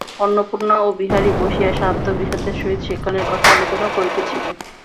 অন্নপূর্ণা ও বিহারী বসিয়া শান্ত বিষাদের সহিত সেকালের কথা আলোচনা করিতেছিলেন।